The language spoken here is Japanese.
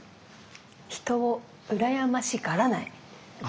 「人をうらやましがらない」。